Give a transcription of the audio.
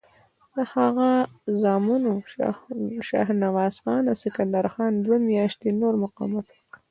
د هغه زامنو شهنواز خان او سکندر خان دوه میاشتې نور مقاومت وکړ.